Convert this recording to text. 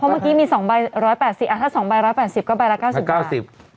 พอเมื่อกี้มี๒ใบ๑๘๐ถ้า๒ใบ๑๘๐ก็ไปละ๙๐บาท